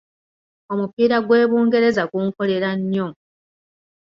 Omupiira gw’e Bungererza gunkolera nnyo.